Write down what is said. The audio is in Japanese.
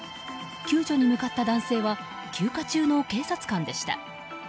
救助に向かった男性は休暇中の警察官でした。